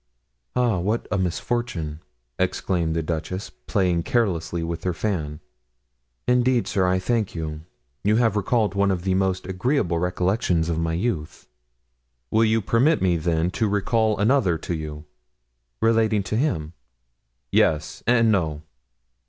"Ah, what a misfortune!" exclaimed the duchess, playing carelessly with her fan. "Indeed, sir, I thank you; you have recalled one of the most agreeable recollections of my youth." "Will you permit me, then, to recall another to you?" "Relating to him?" "Yes and no."